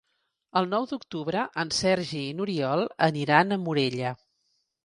El nou d'octubre en Sergi i n'Oriol aniran a Morella.